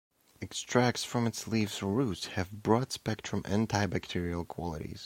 Extracts from its leaves or roots have broad spectrum antibacterial qualities.